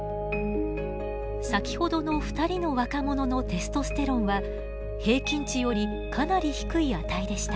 先ほどの２人の若者のテストステロンは平均値よりかなり低い値でした。